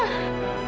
dia bikin mele tai